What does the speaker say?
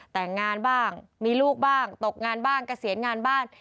แต่งงานบ้างมีลูกบ้างตกงานบ้างเกษียณงานบ้าง